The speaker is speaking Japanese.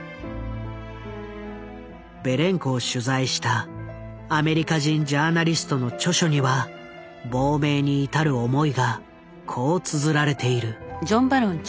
ベレンコを取材したアメリカ人ジャーナリストの著書には亡命に至る思いがこうつづられている。